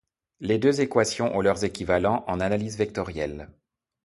Les deux équations ont leurs équivalents en analyse vectorielle.